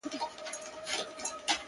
نو دا څنکه د ده څو چنده فایده ده,